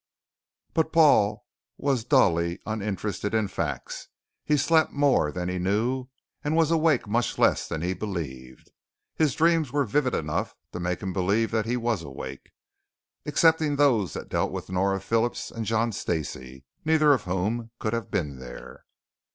But Paul was dully uninterested in facts. He slept more than he knew, and was awake much less than he believed. His dreams were vivid enough to make him believe that he was awake, excepting those that dealt with Nora Phillips and John Stacey, neither of whom could have been there.